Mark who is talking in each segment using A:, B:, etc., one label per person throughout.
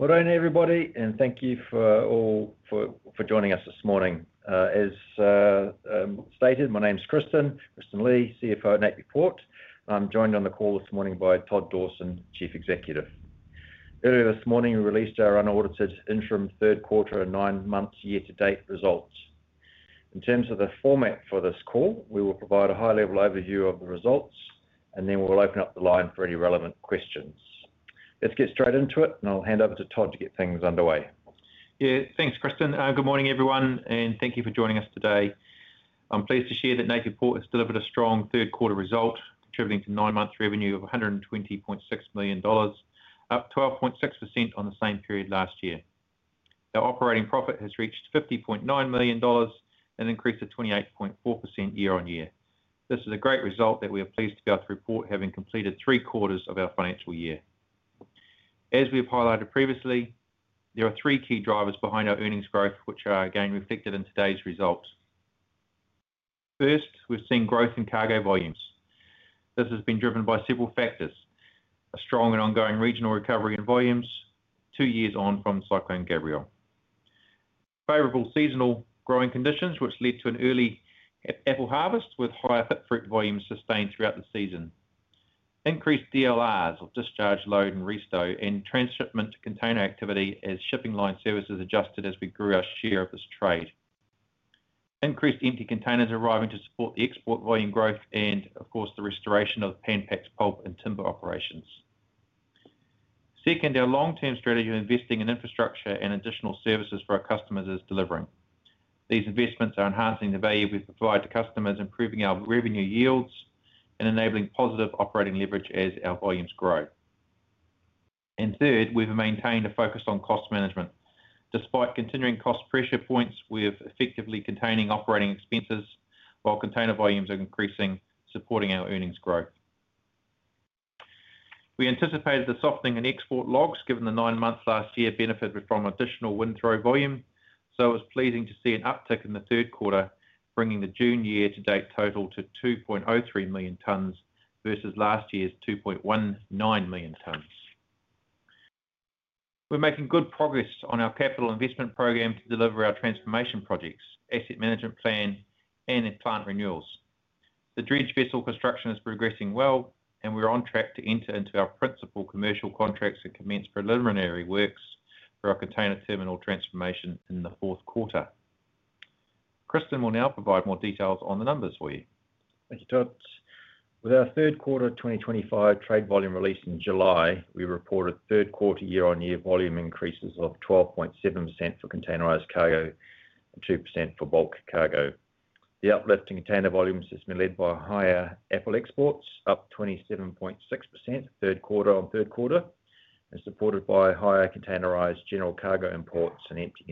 A: Alright, everybody, thank you all for joining us this morning. As stated, my name is Kristen Lie, CFO of Napier Port. I'm joined on the call this morning by Todd Dawson, Chief Executive. Earlier this morning, we released our unaudited interim third quarter and nine-month year-to-date results. In terms of the format for this call, we will provide a high-level overview of the results, and then we'll open up the line for any relevant questions. Let's get straight into it, and I'll hand over to Todd to get things underway.
B: Yeah, thanks, Kristen. Good morning, everyone, and thank you for joining us today. I'm pleased to share that Napier Port has delivered a strong third-quarter result, contributing to nine-month revenue of $120.6 million, up 12.6% on the same period last year. Our operating profit has reached $50.9 million and increased to 28.4% year-on-year. This is a great result that we are pleased to be able to report, having completed three quarters of our financial year. As we have highlighted previously, there are three key drivers behind our earnings growth, which are again reflected in today's result. First, we've seen growth in cargo volumes. This has been driven by several factors: a strong and ongoing regional recovery in volumes, two years on from Cyclone Gabrielle, favorable seasonal growing conditions, which led to an early apple harvest with higher fruit volumes sustained throughout the season, increased DLRs of discharge load and resto, and transshipment to container activity as shipping line services adjusted as we grew our share of this trade, increased empty containers arriving to support the export volume growth and, of course, the restoration of Pan Pac's pulp and timber operations. Second, our long-term strategy of investing in infrastructure and additional services for our customers is delivering. These investments are enhancing the value we provide to customers, improving our revenue yields, and enabling positive operating leverage as our volumes grow. Third, we've maintained a focus on cost management. Despite continuing cost pressure points, we're effectively containing operating expenses while container volumes are increasing, supporting our earnings growth. We anticipated the softening in export logs, given the nine months last year benefited from additional wind throw volume, so it was pleasing to see an uptick in the third quarter, bringing the June year-to-date total to 2.03 million tons versus last year's 2.19 million tons. We're making good progress on our capital investment program to deliver our transformation projects, asset management plan, and plant renewals. The dredge vessel construction is progressing well, and we're on track to enter into our principal commercial contracts and commence preliminary works for our container terminal transformation in the fourth quarter. Kristen will now provide more details on the numbers for you.
A: Thank you, Todd. With our third quarter 2025 trade volume release in July, we reported third-quarter year-on-year volume increases of 12.7% for containerized cargo and 2% for bulk cargo. The uplift in container volumes has been led by higher apple exports, up 27.6% third-quarter-on-third-quarter, and supported by higher containerized general cargo imports and empty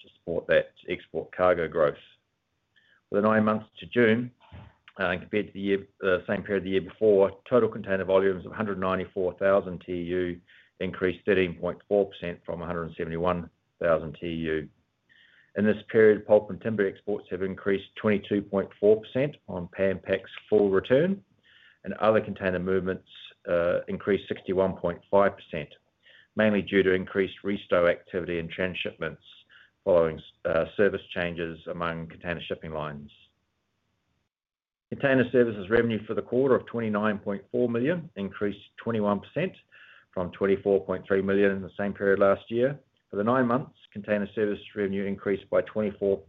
A: containers to support that export cargo growth. With the nine months to June, compared to the same period of the year before, total container volumes of 194,000 TEU increased 13.4% from 171,000 TEU. In this period, pulp and timber exports have increased 22.4% on Pan Pac's full return, and other container movements increased 61.5%, mainly due to increased resto activity and transshipments following service changes among container shipping lines. Container services revenue for the quarter of $29.4 million increased 21% from $24.3 million in the same period last year. For the nine months, container services revenue increased by 24.6%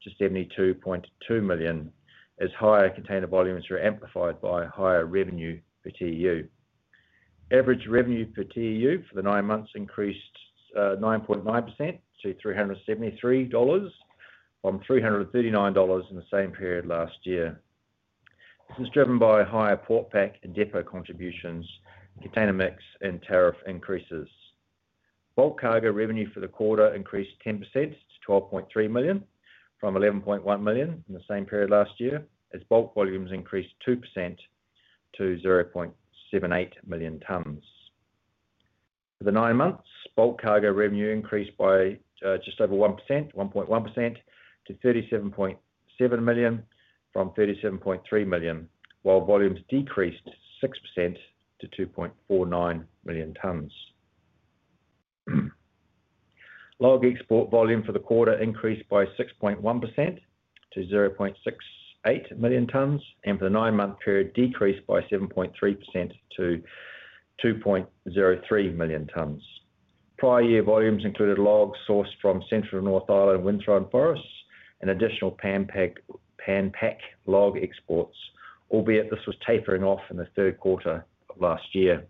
A: to $72.2 million, as higher container volumes were amplified by higher revenue per TEU. Average revenue per TEU for the nine months increased 9.9% to $373 million from $339 million in the same period last year. This is driven by higher port pack and depot contributions, container mix, and tariff increases. Bulk cargo revenue for the quarter increased 10% to $12.3 million from $11.1 million in the same period last year, as bulk volumes increased 2% to 0.78 million tons. For the nine months, bulk cargo revenue increased by just over 1%, 1.1% to $37.7 million from $37.3 million, while volumes decreased 6% to 2.49 million tons. Log export volume for the quarter incread by 6.1% to 0.68 million tons, and for the nine-month period, decreased by 7.3% to 2.03 million tons. Prior year volumes included logs sourced from Central North Island Winstone forests and additional Pan Pac log exports, albeit this was tapering off in the third quarter last year.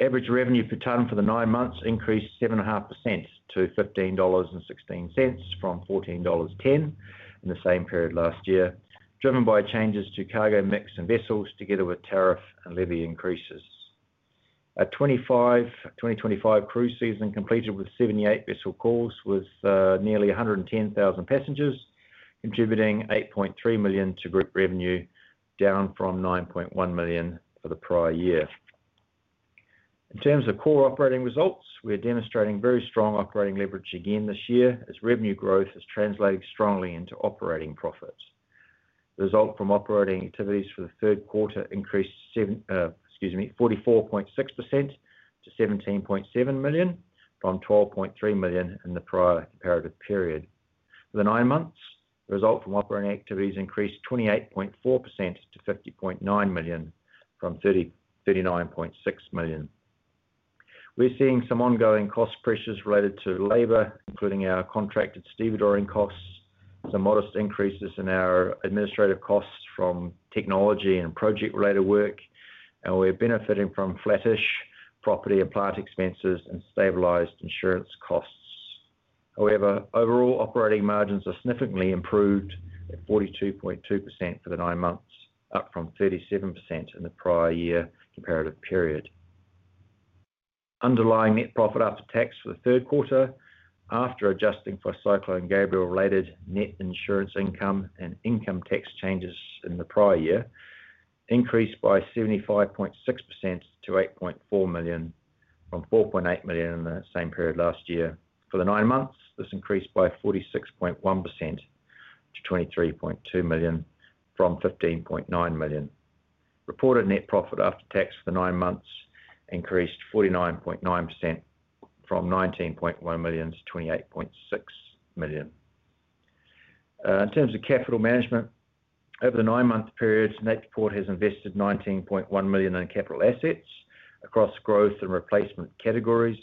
A: Average revenue per ton for the nine months increased 7.5% to $15.16 from $14.10 in the same period last year, driven by changes to cargo mix and vessels together with tariff and levy increases. Our 2025 cruise season completed with 78 vessel calls with nearly 110,000 passengers, contributing $8.3 million to group revenue, down from $9.1 million for the prior year. In terms of core operating results, we're demonstrating very strong operating leverage again this year, as revenue growth has translated strongly into operating profits. The result from operating activities for the third quarter increased 44.6% to $17.7 million from $12.3 million in the prior comparative period. For the nine months, the result from operating activities increased 28.4% to $50.9 million from $39.6 million. We're seeing some ongoing cost pressures related to labor, including our contracted stevedore costs, some modest increases in our administrative costs from technology and project-related work, and we're benefiting from flattish property and plant expenses and stabilized insurance costs. However, overall operating margins are significantly improved at 42.2% for the nine months, up from 37% in the prior year comparative period. Underlying net profit after tax for the third quarter, after adjusting for Cyclone Gabrielle-related net insurance income and income tax changes in the prior year, increased by 75.6% to $8.4 million from $4.8 million in the same period last year. For the nine months, this increased by 46.1% to $23.2 million from $15.9 million. Reported net profit after tax for the nine months increased 49.9% from $19.1 million to $28.6 million. In terms of capital management, over the nine-month period, Napier Port has invested $19.1 million in capital assets across growth and replacement categories.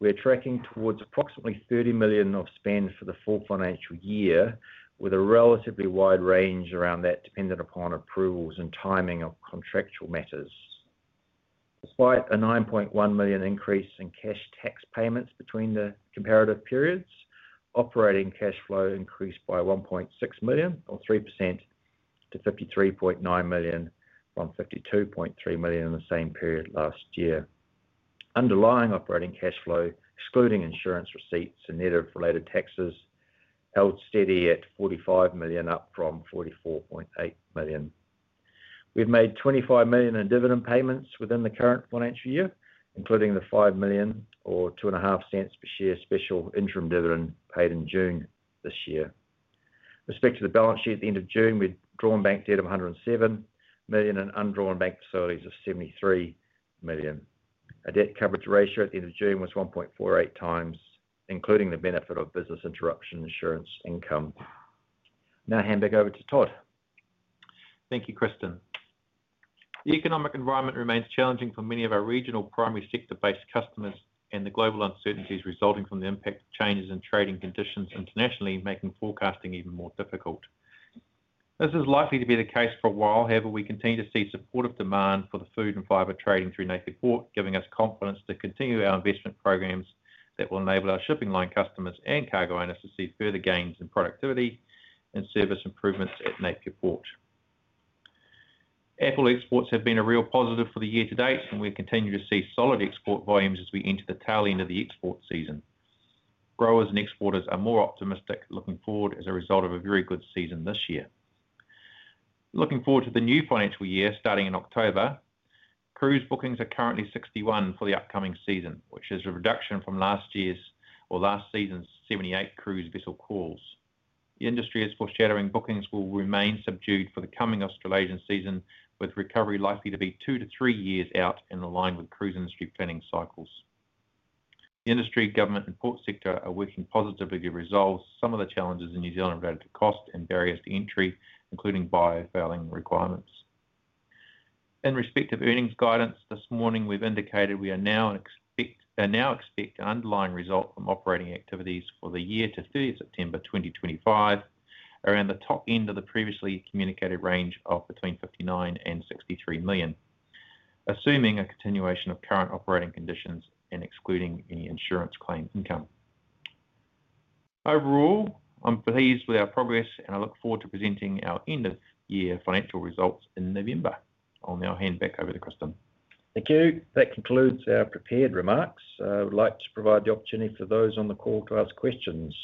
A: We're tracking towards approximately $30 million of spend for the full financial year, with a relatively wide range around that dependent upon approvals and timing of contractual matters. Despite a $9.1 million increase in cash tax payments between the comparative periods, operating cash flow increased by $1.6 million or 3% to $53.9 million from $52.3 million in the same period last year. Underlying operating cash flow, excluding insurance receipts and native-related taxes, held steady at $45 million, up from $44.8 million. We've made $25 million in dividend payments within the current financial year, including the $5 million or $0.025 per share special interim dividend paid in June this year. Respect to the balance sheet at the end of June, we've drawn bank debt of $107 million and undrawn bank facilities of $73 million. Our debt coverage ratio at the end of June was 1.48x, including the benefit of business interruption insurance income. Now hand back over to Todd.
B: Thank you, Kristen. The economic environment remains challenging for many of our regional primary sector-based customers, and the global uncertainties resulting from the impact of changes in trading conditions internationally make forecasting even more difficult. This is likely to be the case for a while. However, we continue to see supportive demand for the food and fiber trading through Napier Port, giving us confidence to continue our investment programs that will enable our shipping line customers and cargo owners to see further gains in productivity and service improvements at Napier Port. Apple exports have been a real positive for the year to date, and we've continued to see solid export volumes as we enter the tail end of the export season. Growers and exporters are more optimistic looking forward as a result of a very good season this year. Looking forward to the new financial year starting in October, cruise bookings are currently 61 for the upcoming season, which is a reduction from last season's 78 cruise vessel calls. The industry is foreshadowing bookings will remain subdued for the coming Australian season, with recovery likely to be two to three years out and aligned with cruise industry planning cycles. The industry, government, and port sector are working positively to resolve some of the challenges in New Zealand related to cost and barriers to entry, including bio-failing requirements. In respect of earnings guidance, this morning we've indicated we are now expecting an underlying result from operating activities for the year to [3rd] September 2025, around the top end of the previously communicated range of between $59 million and $63 million, assuming a continuation of current operating conditions and excluding any insurance claim income. Overall, I'm pleased with our progress and I look forward to presenting our end-of-year financial results in November. I'll now hand back over to Kristen.
A: Thank you. That concludes our prepared remarks. I would like to provide the opportunity for those on the call to ask questions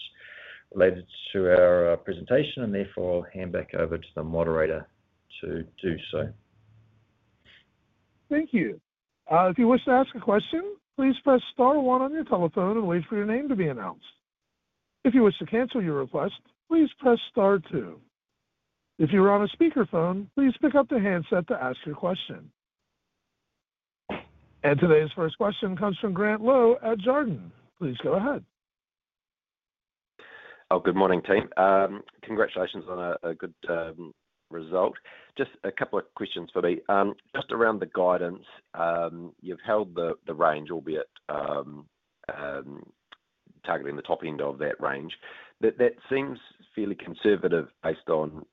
A: related to our presentation, and therefore I'll hand back over to the moderator to do so.
C: Thank you. If you wish to ask a question, please press star one on your telephone and wait for your name to be announced. If you wish to cancel your request, please press star two. If you are on a speaker phone, please pick up the handset to ask your question. Today's first question comes from Grant Lowe at Jarden. Please go ahead.
D: Oh, good morning, team. Congratulations on a good result. Just a couple of questions for me. Just around the guidance, you've held the range, albeit targeting the top end of that range. That seems fairly conservative based on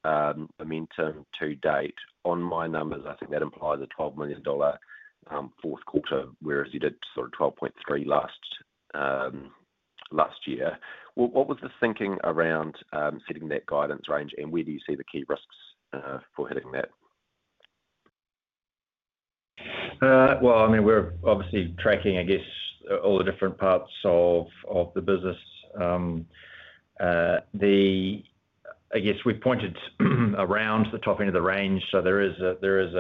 D: momentum to date. On my numbers, I think that implies a $12 million fourth quarter, whereas you did sort of $12.3 million last year. What was the thinking around hitting that guidance range, and where do you see the key risks for hitting that?
B: We're obviously tracking, I guess, all the different parts of the business. I guess we pointed around the top end of the range, so there is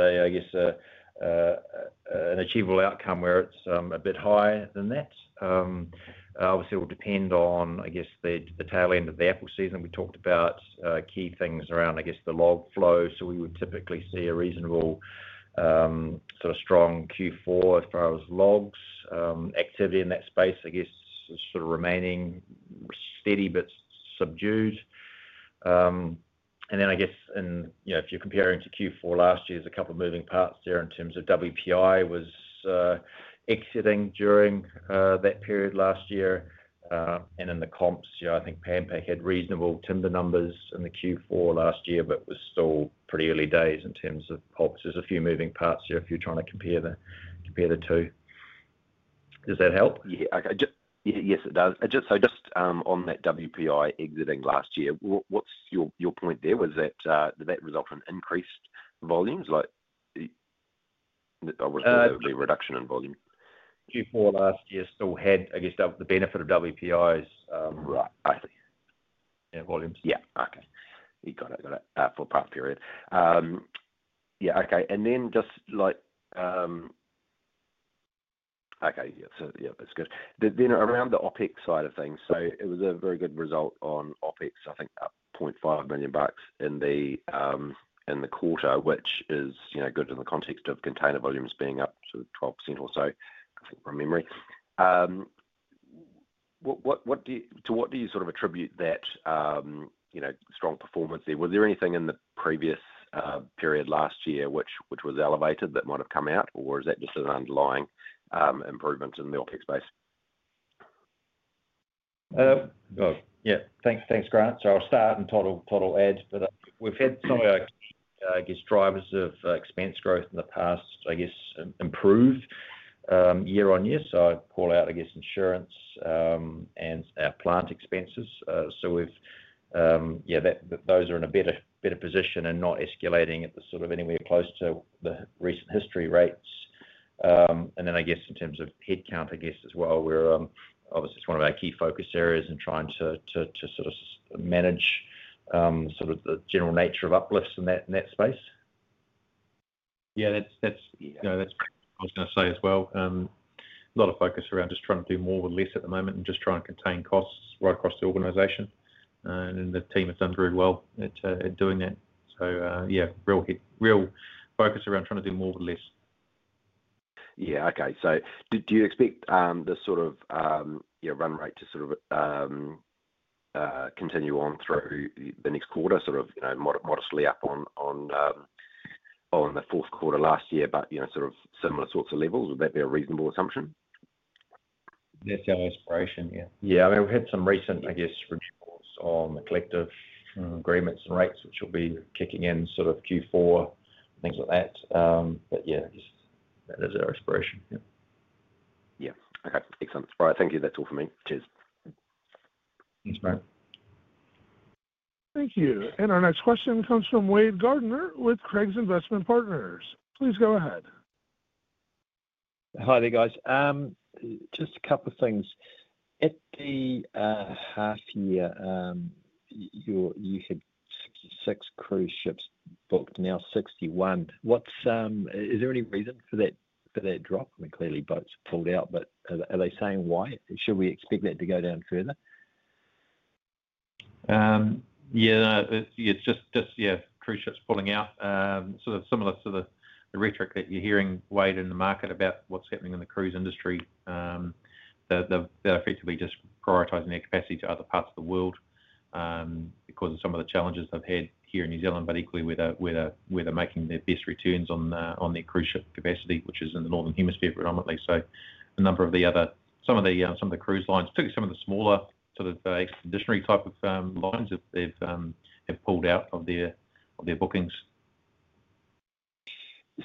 B: an achievable outcome where it's a bit higher than that. Obviously, it will depend on, I guess, the tail end of the apple season. We talked about key things around, I guess, the log flow. We would typically see a reasonable sort of strong Q4 as far as logs. Activity in that space, I guess, is sort of remaining steady but subdued. If you're comparing to Q4 last year, there's a couple of moving parts there in terms of WPI was exiting during that period last year. In the comps, I think Pan Pac had reasonable timber numbers in Q4 last year, but it was still pretty early days in terms of pulps. There's a few moving parts here if you're trying to compare the two. Does that help?
D: Yes, it does. Just on that, WPI exiting last year, what's your point there? Was that the result in increased volumes? I wouldn't say there would be a reduction in volume.
B: Q4 last year still had, I guess, the benefit of WPIs.
D: Right, I see.
B: Yeah, volumes.
D: Okay, four-part period. Okay, that's good. Around the OpEx side of things, it was a very good result on OpEx, up $0.5 million in the quarter, which is good in the context of container volumes being up sort of 12% or so, I think, from memory. To what do you attribute that strong performance there? Was there anything in the previous period last year which was elevated that might have come out, or is that just an underlying improvement in the OpEx space?
A: Yeah, thanks, Grant. I'll start and Todd will add, but we've had some of our drivers of expense growth in the past improve. Year-on-year side, I'd call out insurance and plant expenses. Those are in a better position and not escalating at anywhere close to the recent history rates. In terms of headcount as well, obviously it's one of our key focus areas and trying to manage the general nature of uplifts in that space.
B: That's what I was going to say as well. A lot of focus around just trying to do more with less at the moment and just trying to contain costs right across the organization. The team have done very well at doing that. Real focus around trying to do more with less.
D: Okay. Do you expect the sort of run rate to continue on through the next quarter, modestly up on the fourth quarter last year, but sort of similar sorts of levels? Would that be a reasonable assumption?
B: That's our aspiration, yeah.
A: Yeah, I mean, we've had some recent reductions on the collective agreements and rates, which will be kicking in sort of Q4, things like that. That is our aspiration.
D: Yeah. Okay. Excellent. All right, thank you. That's all for me. Cheers.
B: Thanks, Grant.
C: Thank you. Our next question comes from Wade Gardiner with Craigs Investment Partners. Please go ahead.
E: Hi there, guys. Just a couple of things. At the half-year, you had 66 cruise ships booked, now 61. Is there any reason for that drop? I mean, clearly, boats have pulled out, but are they saying why? Should we expect that to go down further?
B: Yeah, it's just cruise ships pulling out. Sort of similar to the rhetoric that you're hearing, Wade, in the market about what's happening in the cruise industry. They're effectively just prioritizing their capacity to other parts of the world because of some of the challenges they've had here in New Zealand, but equally where they're making their best returns on their cruise ship capacity, which is in the northern hemisphere predominantly. A number of the other, some of the cruise lines, particularly some of the smaller sort of expeditionary type of lines, have pulled out of their bookings.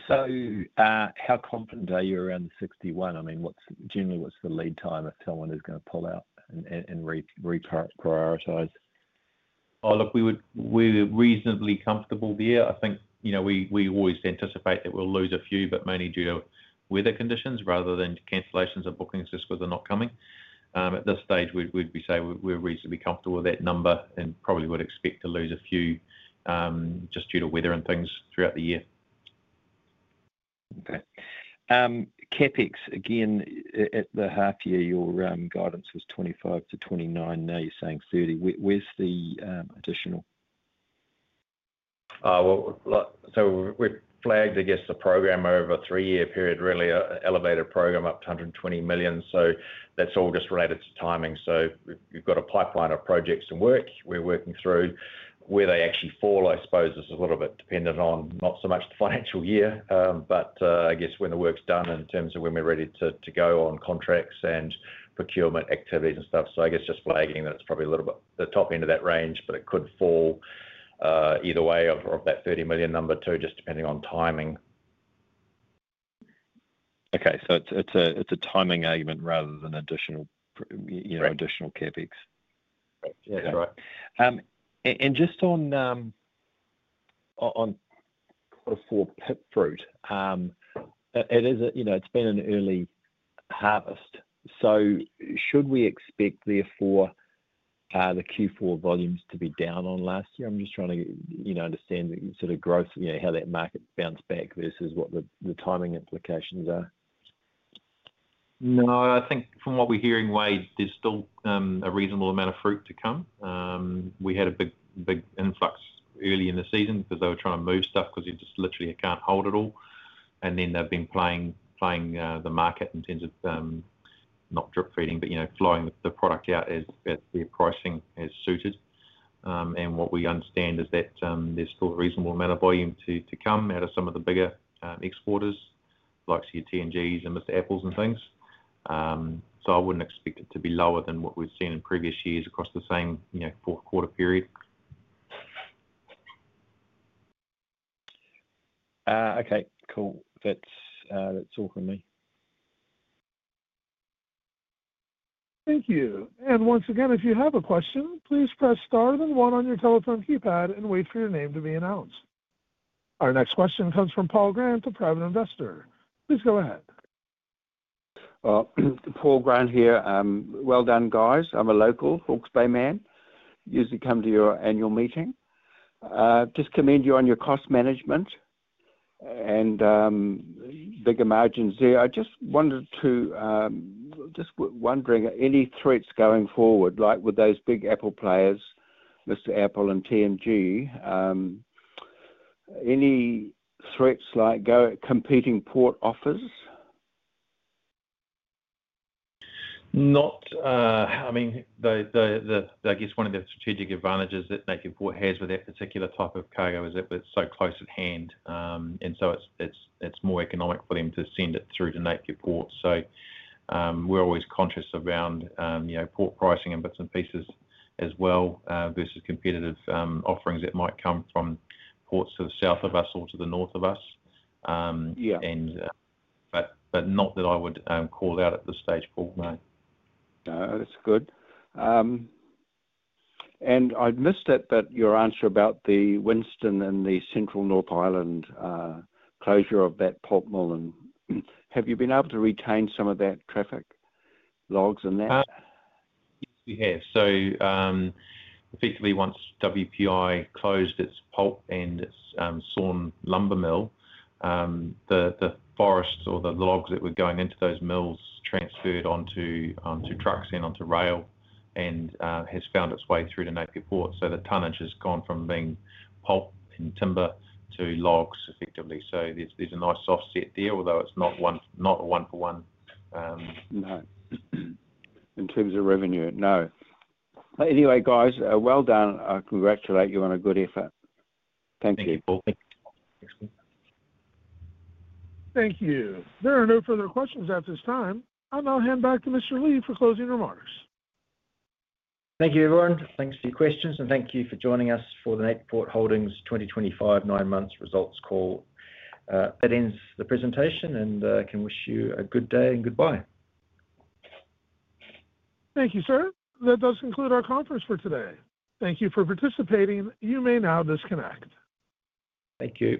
E: How confident are you around the 61? I mean, what's generally, what's the lead time if someone is going to pull out and reprioritise?
B: We're reasonably comfortable there. I think we always anticipate that we'll lose a few, but mainly due to weather conditions rather than cancellations of bookings just because they're not coming. At this stage, we'd say we're reasonably comfortable with that number and probably would expect to lose a few just due to weather and things throughout the year.
E: Okay. CapEx, again, at the half-year, your guidance was $25 million to $29 million. Now you're saying $30 million. Where's the additional?
B: We've flagged, I guess, the program over a three-year period, really, an elevated program up to $120 million. That's all just related to timing. We've got a pipeline of projects and work we're working through. Where they actually fall, I suppose, is a little bit dependent on not so much the financial year, but I guess when the work's done and in terms of when we're ready to go on contracts and procurement activities and stuff. Just flagging that it's probably a little bit at the top end of that range, but it could fall either way of that $30 million number too, just depending on timing.
E: Okay, so it's a timing argument rather than additional CapEx.
B: Yeah, that's right.
E: On quarter four pipfruit, it is an early harvest. Should we expect, therefore, the Q4 volumes to be down on last year? I'm just trying to understand the sort of growth, how that market bounced back versus what the timing implications are.
B: No, I think from what we're hearing, Wade, there's still a reasonable amount of fruit to come. We had a big, big influx early in the season because they were trying to move stuff because it just literally can't hold it all. They've been playing the market in terms of not drip feeding, but, you know, flying the product out as their pricing has suited. What we understand is that there's still a reasonable amount of volume to come out of some of the bigger exporters like, see, T&Gs and Mr Apples and things. I wouldn't expect it to be lower than what we've seen in previous years across the same, you know, fourth quarter period.
E: Okay, cool. That's all from me.
C: Thank you. If you have a question, please press star and then one on your telephone keypad and wait for your name to be announced. Our next question comes from Paul Grant, a private investor. Please go ahead.
F: Paul Grant here. Well done, guys. I'm a local Hawke's Bay man. I usually come to your annual meeting. Just commend you on your cost management and bigger margins there. I just wanted to ask, are any threats going forward, like with those big apple players, Mr Apple and T&G, any threats like competing port offers?
B: I mean, I guess one of the strategic advantages that Napier Port has with that particular type of cargo is that we're so close at hand. It's more economic for them to send it through to Napier Port. We're always conscious around port pricing and bits and pieces as well versus competitive offerings that might come from ports to the south of us or to the north of us. Not that I would call out at this stage, Paul.
F: That's good. I missed it, but your answer about the Winstone and the Central North Island closure of that pulp mill, have you been able to retain some of that traffic, logs and that?
B: Yeah, so effectively, once WPI closed its pulp and its sawn lumber mill, the forests or the logs that were going into those mills transferred onto trucks and onto rail and has found its way through to Napier Port. The tonnage has gone from being pulp and timber to logs effectively. There's a nice soft set there, although it's not a one-for-one.
F: No. In terms of revenue, no. Anyway, I congratulate you on a good effort. Thank you.
B: Thank you, Paul.
C: Thank you. There are no further questions at this time. I'll now hand back to Mr. Lie for closing remarks.
A: Thank you, everyone. Thanks for your questions, and thank you for joining us for the Napier Port Holdings 2025 Nine-Month Results Call. That ends the presentation and can wish you a good day and goodbye.
C: Thank you, Sir. That does conclude our conference for today. Thank you for participating. You may now disconnect.
A: Thank you.